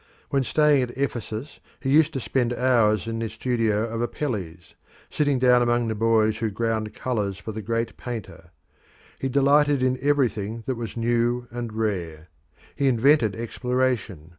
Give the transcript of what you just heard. When staying at Ephesus he used to spend hours in the studio of Apelles, sitting down among the boys who ground colours for the great painter. He delighted in everything that was new and rare. He invented exploration.